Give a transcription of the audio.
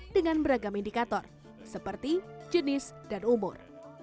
dengan beragam indikator seperti jenis dan umur